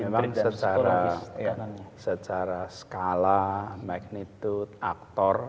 memang secara skala magnitude aktor